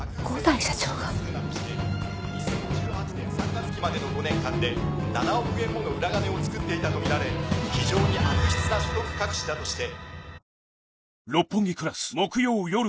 「２０１８年３月期までの５年間で７億円もの裏金をつくっていたと見られ非常に悪質な所得隠しだとして」